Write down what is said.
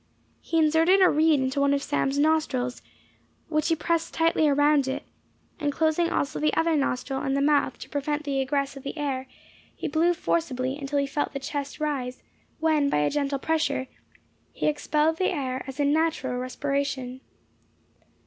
He inserted a reed into one of Sam's nostrils, which he pressed tightly around it, and closing also the other nostril and the mouth to prevent the egress of the air, he blew forcibly until he felt the chest rise, when, by a gentle pressure, he expelled the air as in natural respiration.